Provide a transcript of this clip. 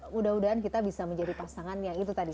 sudah udahan kita bisa menjadi pasangan yang itu tadi